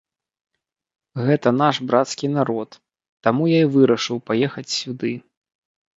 Гэта наш брацкі народ, таму я і вырашыў паехаць сюды.